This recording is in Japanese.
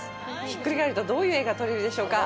ひっくり返るとどういう絵が撮れるでしょうか。